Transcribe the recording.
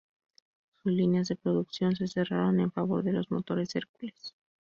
Sus líneas de producción se cerraron en favor de los motores Hercules.